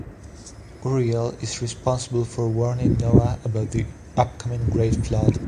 Uriel is responsible for warning Noah about the upcoming Great Flood.